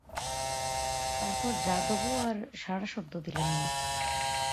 তারপর যাদবও আর সাড়াশব্দ দিলেন ন।